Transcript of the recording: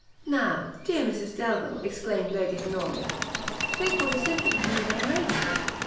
"Now, dear Mrs Delvile," exclaimed Lady Honoria, "think what a simpleton he would have made of me!